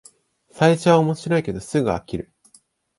最初は面白いけどすぐ飽きる